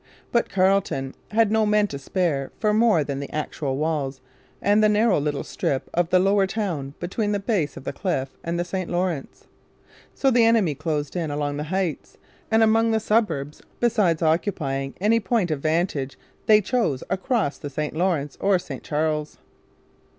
But Carleton had no men to spare for more than the actual walls and the narrow little strip of the Lower Town between the base of the cliff and the St Lawrence. So the enemy closed in along the Heights' and among the suburbs, besides occupying any point of vantage they chose across the St Lawrence or St Charles.